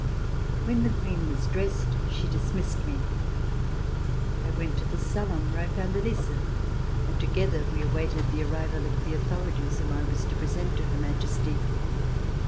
When the Queen was dressed, she dismissed me. I went to the salon where I found Elisa and together we awaited the arrival of the authorities, whom I was to present to Her Majesty.